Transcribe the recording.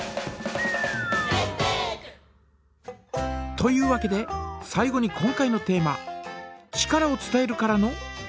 というわけで最後に今回のテーマ「力を伝える」からのクエスチョン！